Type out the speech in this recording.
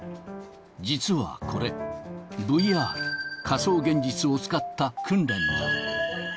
実はこれ、ＶＲ・仮想現実を使った訓練だ。